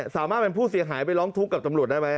สามารถเป็นผู้เสียหายไปร้องทุกข์กับตำรวจได้ไหม